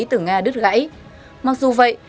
từ nga đứt gãy mặc dù vậy